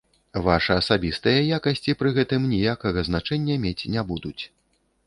Вашы асабістыя якасці пры гэтым ніякага значэння мець не будуць.